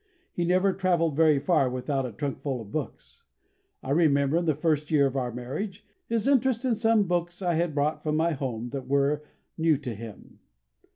He never travelled very far without a trunkful of books. I remember, in the first year of our marriage, his interest in some books I had brought from my home that were new to him.